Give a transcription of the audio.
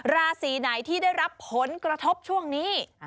ราศีไหนที่ได้รับผลกระทบช่วงนี้